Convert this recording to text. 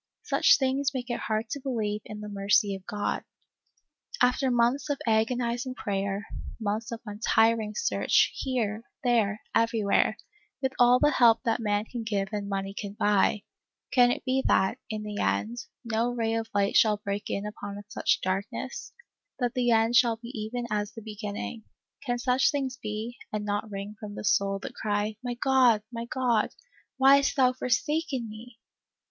Such things make it hard to believe in the mercy of God. After months of agonizing prayer, months of untiring search, here, there, everywhere, with all the help that man can give and money can buy, can it be that, in the end, no ray of light shall break in upon such darkness ; that the end shall be even as the beginning ; can such things be, and not wring from the soul the cry, " My God — my God, why hast thou forsaken me